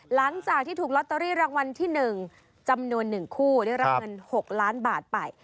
หลังจากที่ถูกลอตเตอรี่รางวัลที่หนึ่งจำนวนหนึ่งคู่เรียกรางเงิน๖ล้านบาทไป